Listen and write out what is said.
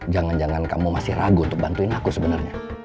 jangan jangan kamu masih ragu untuk bantuin aku sebenarnya